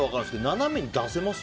斜めに出せます？